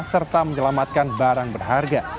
serta menyelamatkan barang berharga